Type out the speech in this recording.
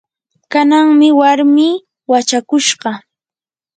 kananmi warmii wachakushqa.